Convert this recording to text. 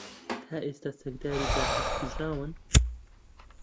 تا ئێستا چەکداری داعش کوژراون